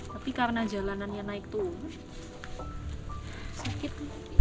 tapi karena jalanannya naik tuh sakit